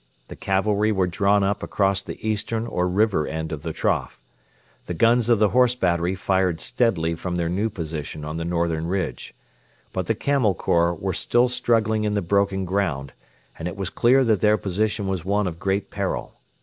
The cavalry were drawn up across the eastern or river end of the trough. The guns of the Horse battery fired steadily from their new position on the northern ridge. But the Camel Corps were still struggling in the broken ground, and it was clear that their position was one of great peril.